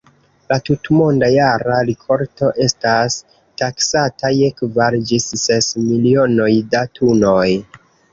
La tutmonda jara rikolto estas taksata je kvar ĝis ses milionoj da tunoj.